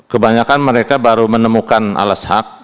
kebanyakan mereka baru menemukan alas hak